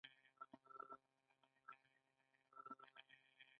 غرمه تود دی.